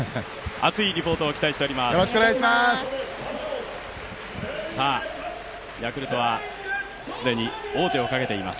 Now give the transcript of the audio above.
熱いリポートを期待しております。